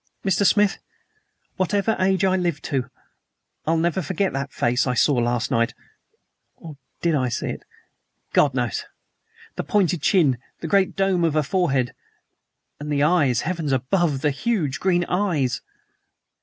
Mr. Smith, whatever age I live to, I'll never forget that face I saw last night or did I see it? God knows! The pointed chin, the great dome of a forehead, and the eyes heavens above, the huge green eyes!"